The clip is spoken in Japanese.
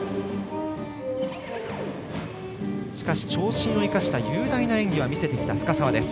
しかし、長身を生かした雄大な演技を見せてきた深沢。